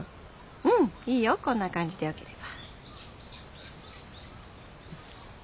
うんいいよこんな感じでよければ。